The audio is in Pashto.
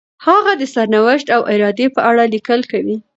هغه د سرنوشت او ارادې په اړه لیکل کوي.